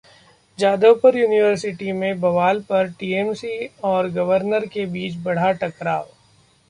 Jadavpur university में बवाल पर टीएमसी और गवर्नर के बीच बढ़ा टकराव